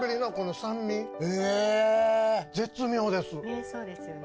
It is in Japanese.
ねっそうですよね。